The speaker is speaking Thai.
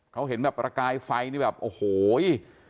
เขาเห็นแบบประกายไฟนี่แบบโอ้โห